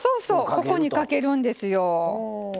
ここに、かけるんですよ。